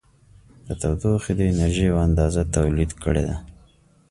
د تودوخې د انرژي یوه اندازه تولید کړې ده.